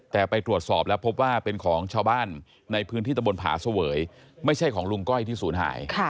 แต่ไปตรวจสอบแล้วพบว่าเป็นของชาวบ้านในพื้นที่ตะบนผาเสวยไม่ใช่ของลุงก้อยที่ศูนย์หาย